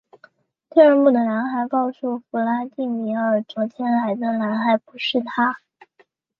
第二幕的男孩告诉弗拉第米尔昨天来的男孩不是他。